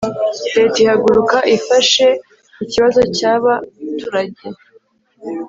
leta ihaguruka ifashe ikibazo cyaba turajye